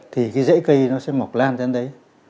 thì cái dễ cây nó sẽ mọc lan sang đấy